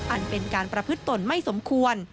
อันเป็นการประพฤติตนไม่สมควร